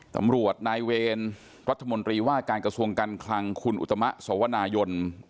ตำรวจนายเวรรัฐมนตรีว่าการกระทรวงการคลังคุณอุตมะสวนายน